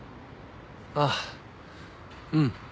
あっうん。